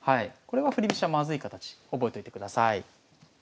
これは振り飛車まずい形覚えといてください。